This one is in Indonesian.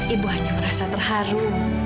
ibu hanya merasa terharu